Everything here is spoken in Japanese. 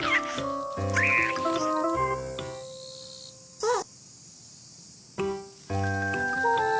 あっ。